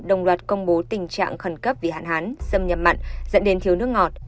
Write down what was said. đồng loạt công bố tình trạng khẩn cấp vì hạn hán xâm nhập mặn dẫn đến thiếu nước ngọt